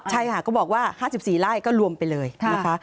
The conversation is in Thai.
ใช่ค่ะก็บอกว่า๕๔ไร่ก็รวมไปเลยนะคะ